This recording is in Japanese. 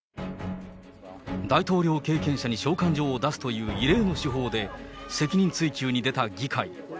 大統領経験者に召喚状を出すという異例の手法で、責任追及に出た議会。